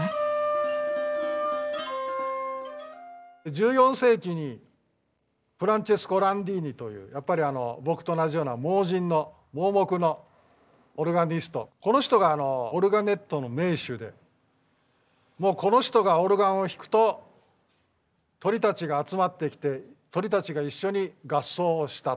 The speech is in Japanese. １４世紀にフランチェスコ・ランディーニというやっぱり僕と同じような盲人の盲目のオルガニストこの人がオルガネットの名手でこの人がオルガンを弾くと鳥たちが集まってきて鳥たちが一緒に合奏をしたと。